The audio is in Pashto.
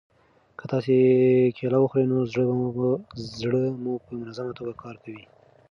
که تاسي کیله وخورئ نو زړه مو په منظمه توګه کار کوي.